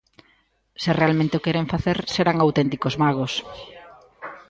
Se realmente o queren facer serán auténticos magos.